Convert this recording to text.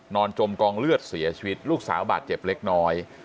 จมกองเลือดเสียชีวิตลูกสาวบาดเจ็บเล็กน้อย